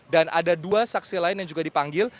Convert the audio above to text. dan ada dua saksi lain yang juga dipanggil